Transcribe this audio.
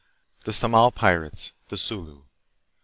The Samal Pirates. The Sulu.